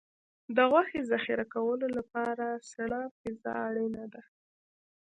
د غوښې ذخیره کولو لپاره سړه فضا اړینه ده.